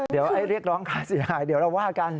เดี๋ยวเรียกร้องค่าเสียหายเดี๋ยวเราว่ากัน